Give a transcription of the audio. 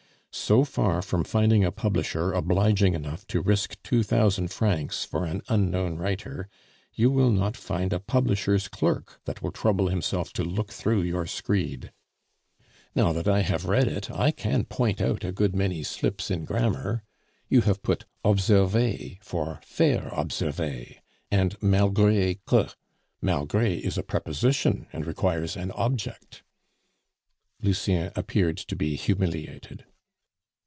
"So far from finding a publisher obliging enough to risk two thousand francs for an unknown writer, you will not find a publisher's clerk that will trouble himself to look through your screed. Now that I have read it I can point out a good many slips in grammar. You have put observer for faire observer and malgre que. Malgre is a preposition, and requires an object." Lucien appeared to be humiliated.